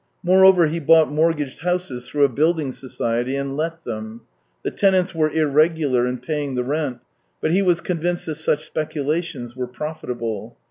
Moreover, he bought mortgaged houses through a building society, and let them. The tenants were irregular in paying the rent, but he was convinced that such speculations were profitable.